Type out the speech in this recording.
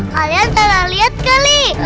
kalian pernah lihat kali